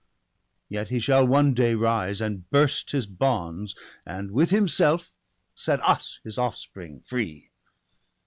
Yet he shall one day rise, and burst his bonds. And with himself set us his offspring free.